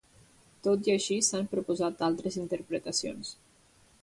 Tot i així, s"han proposat altres interpretacions.